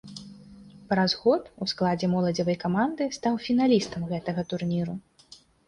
Праз год у складзе моладзевай каманды стаў фіналістам гэтага турніру.